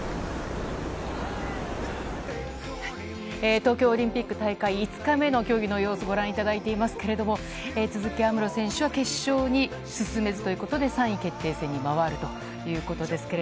東京オリンピック大会５日目の競技の様子、ご覧いただいていますけれども、都筑有夢路選手は決勝に進めずということで３位決定戦に回るということです。